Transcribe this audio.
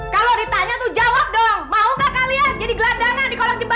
kalau ditanya tuh jawab dong mau gak kalian jadi gelandangan di kolong jembatan